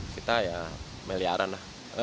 kita ya meliaran lah